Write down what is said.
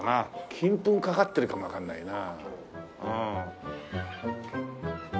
金粉かかってるかもわかんないなあ。